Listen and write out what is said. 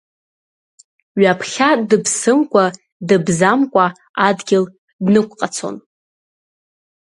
Ҩаԥхьа дыԥсымкәа дыбзамкәа адгьыл днықәҟацон.